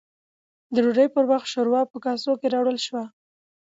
د ډوډۍ پر وخت، شورا په کاسو کې راوړل شوه